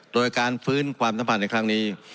โดยการฟื้นความสัมพันธ์ในครั้งนี้